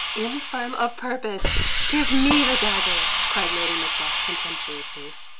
"Infirm of purpose! Give me the daggers!" cried Lady Macbeth contemptuously.